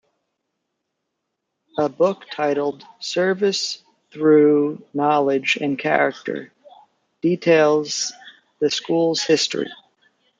A book titled "Service Through Knowledge and Character" details the school's history.